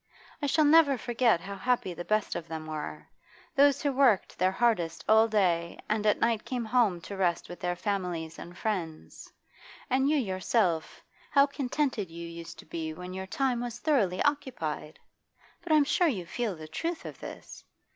I shall never forget how happy the best of them were, those who worked their hardest all day and at night came home to rest with their families and friends. And you yourself, how contented you used to be when your time was thoroughly occupied! But I'm sure you feel the truth of this.